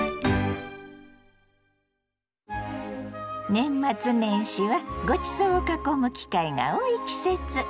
年末年始はごちそうを囲む機会が多い季節。